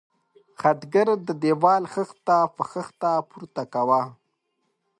خټګر د دېوال خښته په خښته پورته کاوه.